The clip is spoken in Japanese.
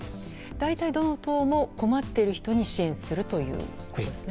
大体、どの党も困っている人に支援するということですね。